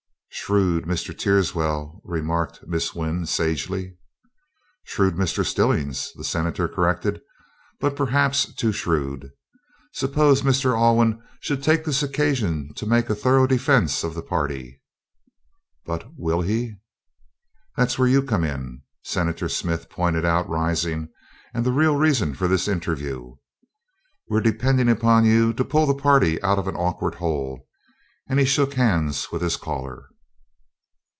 "Shrewd Mr. Teerswell," remarked Miss Wynn, sagely. "Shrewd Mr. Stillings," the Senator corrected; "but perhaps too shrewd. Suppose Mr. Alwyn should take this occasion to make a thorough defence of the party?" "But will he?" "That's where you come in," Senator Smith pointed out, rising, "and the real reason of this interview. We're depending on you to pull the party out of an awkward hole," and he shook hands with his caller.